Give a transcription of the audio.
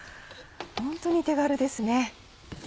ホントに手軽ですね。